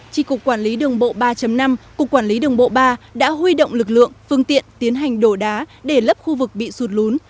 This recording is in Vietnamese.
chỉ cục quản lý đường bộ ba năm cục quản lý đường bộ ba đã huy động lực lượng phương tiện tiến hành đổ đá để lấp khu vực bị sụt lún